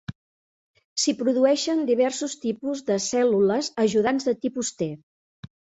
S'hi produeixen diversos tipus de cèl·lules ajudants de tipus T.